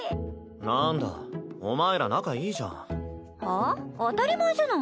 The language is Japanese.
なんだお前ら仲いいじゃん。はあ？当たり前じゃない。